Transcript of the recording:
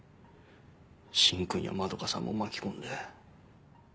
芯君や円さんも巻き込んで。